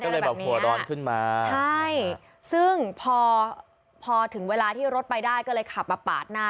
ก็เลยแบบหัวร้อนขึ้นมาใช่ซึ่งพอพอถึงเวลาที่รถไปได้ก็เลยขับมาปาดหน้า